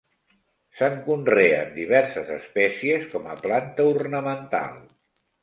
Se'n conreen diverses espècies com a planta ornamental.